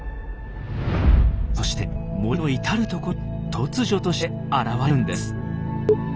そして森の至る所に突如として現れるんです。